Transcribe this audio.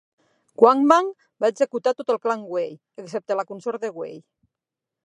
Wang Mang va executar tot el clan Wei, excepte la consort de Wei.